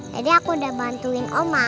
aku udah bantuin oma